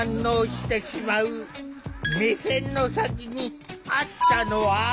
目線の先にあったのは？